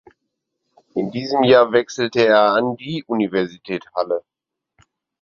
In diesem Jahr wechselte er an die Universität Halle.